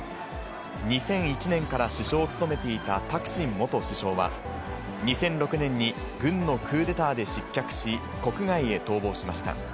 ２００１年から首相を務めていたタクシン元首相は、２００６年に軍のクーデターで失脚し、国外へ逃亡しました。